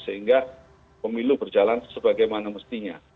sehingga pemilu berjalan sebagaimana mestinya